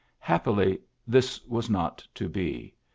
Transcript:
Happily this was not to be.